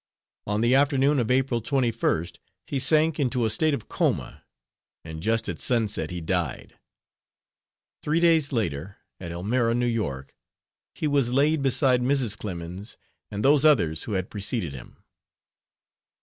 On the afternoon of April 21st he sank into a state of coma, and just at sunset he died. Three days later, at Elmira, New York, he was laid beside Mrs. Clemens and those others who had preceded him.